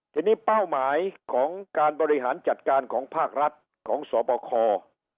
ทีนี้เป้าหมายของการบริหารจัดการของภาครัฐของสบค